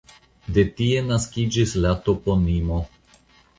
De tie naskiĝis la toponimo.